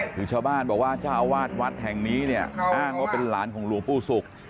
คือชาวบ้านบอกว่าเจ้าอาวาสวัดแห่งนี้เนี่ยอ้างว่าเป็นหลานของหลวงปู่ศุกร์